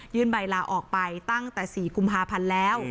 ใบลาออกไปตั้งแต่๔กุมภาพันธ์แล้ว